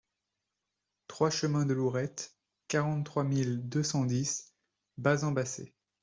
trois chemin de Lourette, quarante-trois mille deux cent dix Bas-en-Basset